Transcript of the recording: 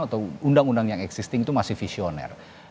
atau undang undang yang existing itu masih visioner